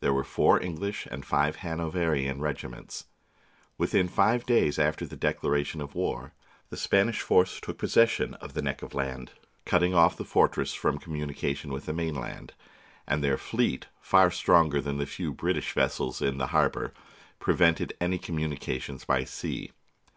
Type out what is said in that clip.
There were four English and five Hanoverian regiments. Within five days after the declaration of war, the Spanish force took posses sion of the neck of land, cutting off the fortress from communication with the mainland; and their fleet, far stronger than the few British vessels in the har bour, prevented any communication by sea.